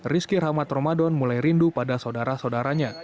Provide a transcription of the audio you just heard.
rizky rahmat ramadan mulai rindu pada saudara saudaranya